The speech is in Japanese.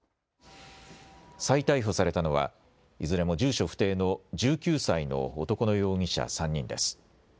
再逮捕されたのはいずれも住所不定の１９歳の男の容疑者３人です。